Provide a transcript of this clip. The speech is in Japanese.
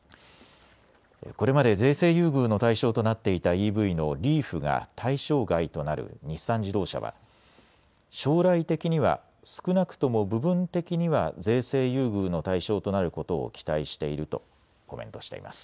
これまで税制優遇の対象となっていたＥＶのリーフが対象外となる日産自動車は将来的には少なくとも部分的には税制優遇の対象となることを期待しているとコメントしています。